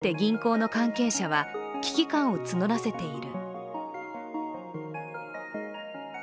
大手銀行の関係者は危機感を募らせている。